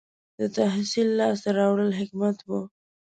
• د تحصیل لاسته راوړل حکمت و.